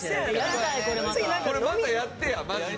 これまたやってやマジで。